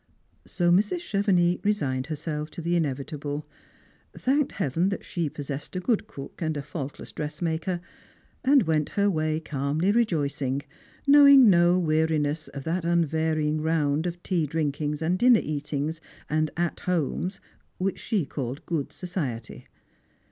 So Mrs. Chevenix resigned herself to the inevitable, thanked Heaven that she possessed a good cook and a faultless dress maker, and went her way calmly rejoicing, knowing no weariness of that unvarying round of tea drinkings and dinner eatings and at homes which she called good society.